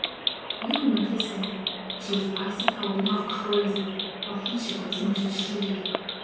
The young woman kissed him, but she was icy cold, and half crazy, while he shuddered as much as she did.